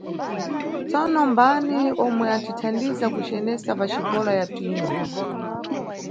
Tsono mbani omwe anʼtithandiza kucenesa paxikola yathu ino?